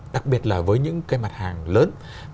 đặc biệt là với những cái mặt hàng lớn